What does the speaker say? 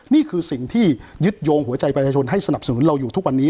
นี่คือสิ่งที่ยึดโยงหัวใจประชาชนให้สนับสนุนเราอยู่ทุกวันนี้